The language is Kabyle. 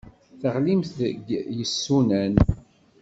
Teɣlimt deg yisunan.